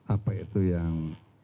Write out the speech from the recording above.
apa itu yang